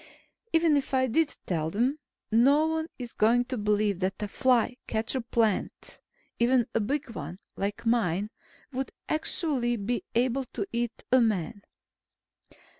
Even if I did tell them, no one is going to believe that a fly catcher plant even a big one like mine would actually be able to eat a man.